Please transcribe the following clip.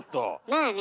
まあね。